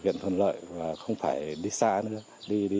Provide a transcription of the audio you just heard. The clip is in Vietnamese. nên là chúng tôi không phải đi lại xa xôi cả